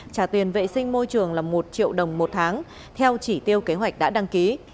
trả tiền vệ sinh môi trường là một triệu đồng một tháng theo chỉ tiêu kế hoạch đã đăng ký